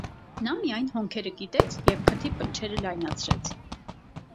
նա միայն հոնքերը կիտեց և քթի պնչերը լայնացրեց: